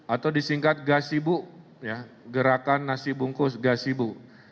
atau disingkat gasibu gerakan nasi bungkus gasibu